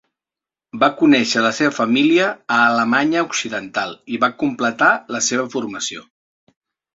Va conèixer la seva família a Alemanya Occidental i va completar la seva formació.